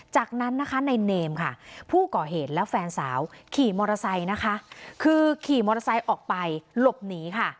จากนั้นในเนมผู้ก่อเหตุและแฟนสาวขี่มอเตอร์ไซค์ออกไปหลบหนี